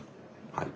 はい。